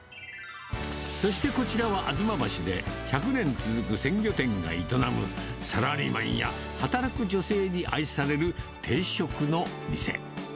そしてこちらは吾妻橋で１００年続く鮮魚店が営む、サラリーマンや働く女性に愛される定食の店。